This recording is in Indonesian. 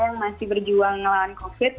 yang masih berjuang melawan covid